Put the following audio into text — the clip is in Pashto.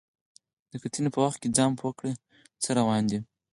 د کتنې په وخت کې ځان پوه کړئ چې څه روان دي.